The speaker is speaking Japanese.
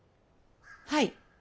はい。